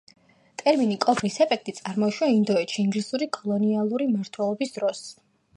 ტერმინი „კობრის ეფექტი“ წარმოიშვა ინდოეთში, ინგლისური კოლონიალური მმართველობის დროს.